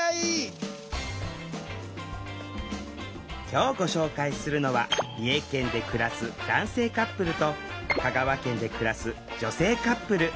今日ご紹介するのは三重県で暮らす男性カップルと香川県で暮らす女性カップル。